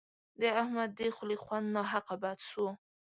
د احمد د خولې خوند ناحق بد سو.